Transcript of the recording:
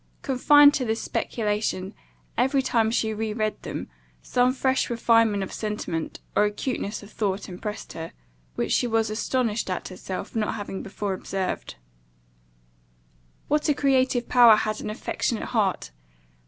Confined to this speculation, every time she re read them, some fresh refinement of sentiment, or acuteness of thought impressed her, which she was astonished at herself for not having before observed. What a creative power has an affectionate heart!